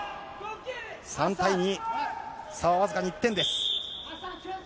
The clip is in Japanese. ３対２、差は僅かに１点です。